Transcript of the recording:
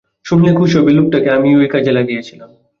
শুনলে খুশি হবে লোকটাকে আমিই ওই কাজে লাগিয়েছিলাম।